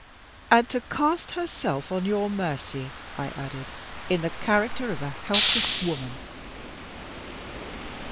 "And to cast herself on your mercy," I added, "in the character of a helpless woman."